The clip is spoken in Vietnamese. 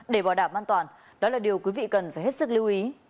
để bảo đảm an toàn đó là điều quý vị cần phải hết sức lưu ý